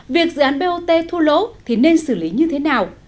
việc dự án bot thua lỗ thì nên xử lý như thế nào